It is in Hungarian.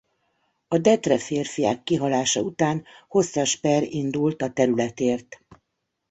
A Detre férfiág kihalása után hosszas per indult a területért.